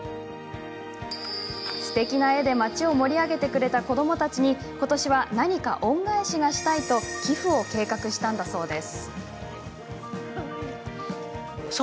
すてきな絵で町を盛り上げてくれた子どもたちにことしは何か恩返しがしたいと寄付を計画したんだそうです。